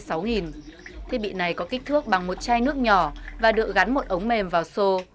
thiết bị này có kích thước bằng một chai nước nhỏ và được gắn một ống mềm vào xô